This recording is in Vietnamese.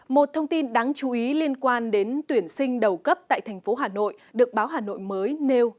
một thông tin đáng chú ý liên quan đến tuyển sinh đầu cấp tại thành phố hà nội được báo hà nội mới nêu